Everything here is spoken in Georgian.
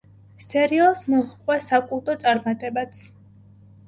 სერიალს მოჰყვა საკულტო წარმატებაც.